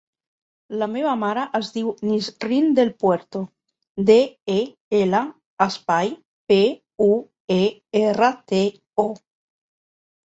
La meva mare es diu Nisrin Del Puerto: de, e, ela, espai, pe, u, e, erra, te, o.